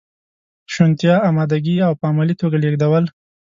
شونتیا، امادګي او په عملي توګه لیږدول.